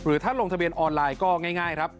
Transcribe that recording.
ท่านลงทะเบียนออนไลน์ก็ง่ายครับ